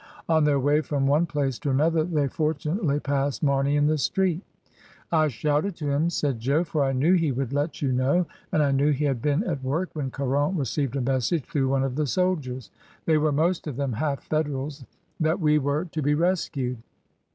On their way from one place to another they for tunately passed Marney in the street. "I shouted to him," said Jo, "for I knew he would let you know, and I knew he had been at work, when Caron received a message through one of the soldiers — they were most of them half Federals — that we were AT THE TERMINUS. 267 to be rescued.